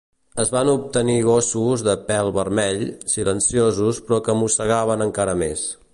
Es van obtenir gossos de pèl vermell, silenciosos però que mossegaven encara més.